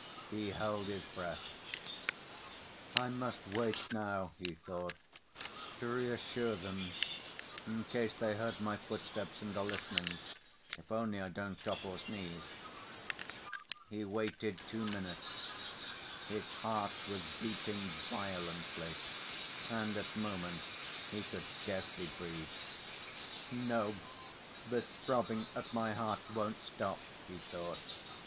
He held his breath. "I must wait now," he thought, "to reassure them, in case they heard my footsteps and are listening ... if only I don't cough or sneeze." He waited two minutes. His heart was beating violently, and, at moments, he could scarcely breathe. "No, this throbbing at my heart won't stop," he thought.